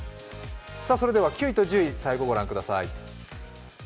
９位と１０位最後ご覧ください。